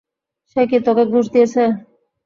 সে কি তোকে ঘুষ দিয়েছে?